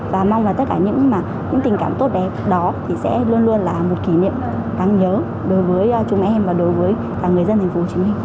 và mong là tất cả những tình cảm tốt đẹp đó sẽ luôn luôn là một kỷ niệm đáng nhớ đối với chúng em và đối với người dân thành phố hồ chí minh